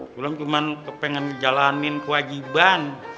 sulam cuma pengen ngejalanin kewajiban